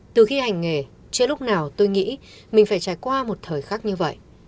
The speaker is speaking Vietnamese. từ khi hành nghề chưa lúc nào tôi nghĩ mình phải trải qua một thời khắc như vậy